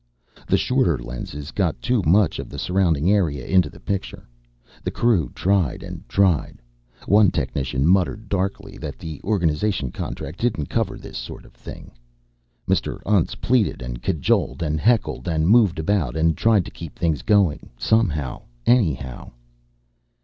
The shorter lenses got too much of the surrounding area into the picture. The crew tried and tried. One technician muttered darkly that the organization contract didn't cover this sort of thing. Mr. Untz pleaded and cajoled and heckled and moved about and tried to keep things going. Somehow, anyhow.